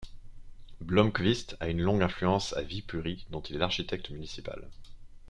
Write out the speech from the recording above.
Blomqvist a une longue influence à Viipuri dont il est architecte municipal.